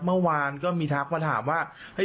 เมื่อวานก็มีทักมาถามว่า